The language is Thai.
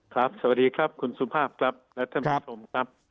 ครับสวัสดีครับคุณสุภาพครับรัฐมนตรีครับ